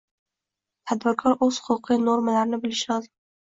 Tadbirkor o‘z huquqiy normalarini bilishi lozim